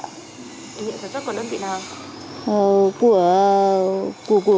ủy nhiệm sản xuất của đơn vị nào